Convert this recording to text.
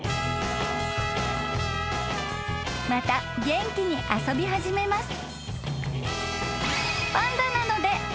［また元気に遊び始めます］